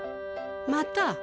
また？